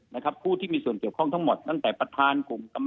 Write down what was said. นะครับแต่งตั้งคณะกรรมการตอบเข้าท